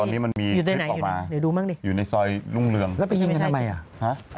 ตอนนี้มันมีคลิปออกมาอยู่ในซอยรุ่งเรืองแล้วไปยิงกันทำไมอ่ะ